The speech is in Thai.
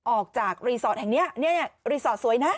ออกจากรีสอร์ทแห่งนี้เนี่ยรีสอร์ทสวยนะ